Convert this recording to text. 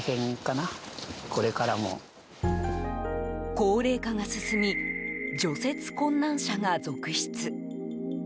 高齢化が進み除雪困難者が続出。